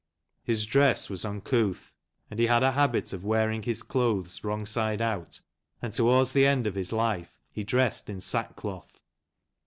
His dress was uncouth, and he had a habit of wearing his clothes wrong side out, and towards the end of his life he dressed in sackcloth.